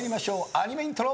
アニメイントロ。